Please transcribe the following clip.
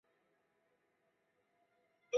特内里费体育会是一家西班牙的足球俱乐部。